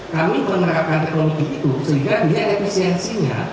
kami menerapkan teknologi itu sehingga dia efisiensinya